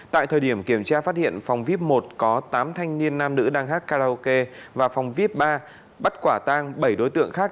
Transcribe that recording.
tại thời điểm kiểm tra phát hiện phòng vip một có tám thanh niên nam nữ đang hát karaoke và phòng vip ba bắt quả tang bảy đối tượng khác